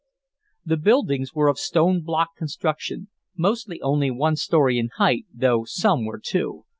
The buildings were of stone block construction, mostly only one story in height, though some were two.